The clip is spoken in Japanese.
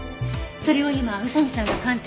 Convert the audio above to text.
それを今宇佐見さんが鑑定。